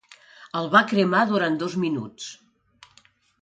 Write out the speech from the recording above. El va cremar durant dos minuts.